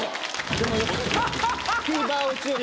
でもよかった。